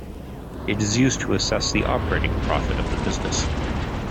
It is used to assess the 'operating' profit of the business.